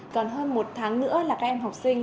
còn hơn một tháng nữa là các em học sinh